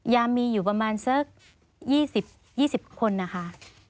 ยามมีอยู่ประมาณเสิร์ฟ๒๐คนนะคะ